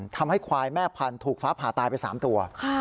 ทำให้ควายแม่พันธุ์ถูกฟ้าผ่าตายไป๓ตัว